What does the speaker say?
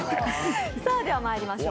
ではまいりましょう。